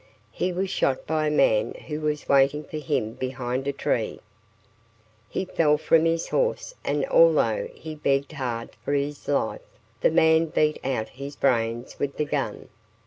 He was shot by a man who was waiting for him behind a tree. He fell from his horse, and although he begged hard for his life, the man beat out his brains with the gun.